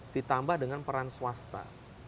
ditambah dengan peran swasta